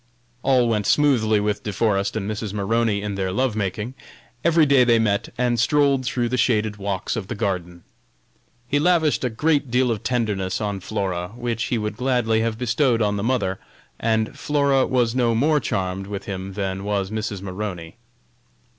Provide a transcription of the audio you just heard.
All went smoothly with De Forest and Mrs. Maroney in their love making. Every day they met and strolled through the shaded walks of the garden. He lavished a great deal of tenderness on Flora, which he would gladly have bestowed on the mother, and Flora was no more charmed with him than was Mrs. Maroney.